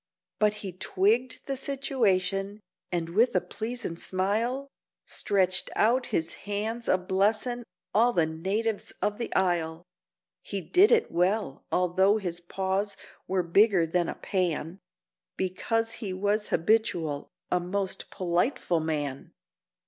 But he twigged the situation, and with a pleasin' smile Stretched out his hands, a blessin' all the natives of the isle; He did it well, although his paws were bigger than a pan, Because he was habitual a most politeful man.